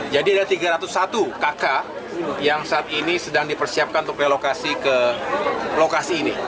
jadi ada tiga ratus satu kakak yang saat ini sedang dipersiapkan untuk relokasi ke lokasi ini